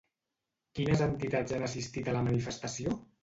Quines entitats han assistit a la manifestació?